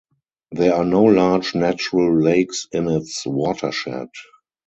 There are no large natural lakes in its watershed.